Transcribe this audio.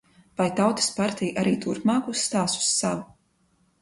Vai Tautas partija arī turpmāk uzstās uz savu?